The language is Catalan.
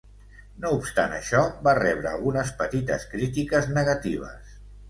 No obstant això, va rebre algunes petites crítiques negatives.